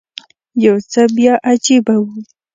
یو څه بیا عجیبه و.